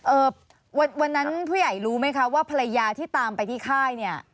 เอ่อวันนั้นผู้ใหญ่รู้ไหมคะว่าภรรยาที่ตามไปที่ค่ายเนี่ย